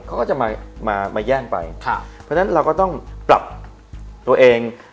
เขาก็จะมามาแย่งไปค่ะเพราะฉะนั้นเราก็ต้องปรับตัวเอง